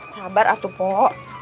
sabar atuh pok